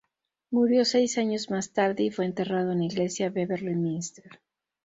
Murió seis años más tarde y fue enterrado en la iglesia Beverley Minster.